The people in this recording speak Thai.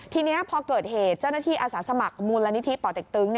ทีนี้พอเกิดเหตุเจ้าหน้าที่อาสาสมัครมูลนิธิป่อเต็กตึง